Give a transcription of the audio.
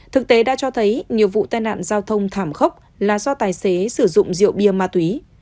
thực tế đã cho thấy nhiều vụ tai nạn giao thông thảm khốc là do tài xế sử dụng rượu bia ma túy